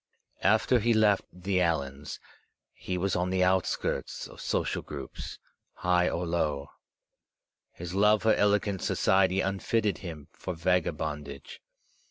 After he left the Allans, he was on the outskirts of social groups, high or low. His love for elegant society unfitted him for vagabondage.